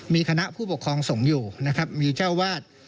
มีคณะผู้ปกครองส่งอยู่นะครับมีเจ้าวาด